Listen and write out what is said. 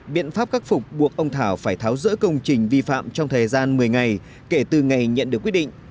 biện pháp khắc phục buộc ông thảo phải tháo rỡ công trình vi phạm trong thời gian một mươi ngày kể từ ngày nhận được quyết định